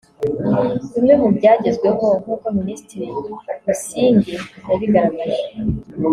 Bimwe mu byagezweho nk’uko Minisitiri Busingye yabigaragaje